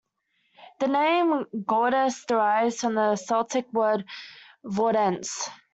The name "Gordes" derives from the Celtic word "Vordense".